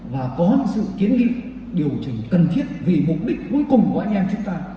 và có sự kiến nghị điều chỉnh cần thiết vì mục đích cuối cùng của anh em chúng ta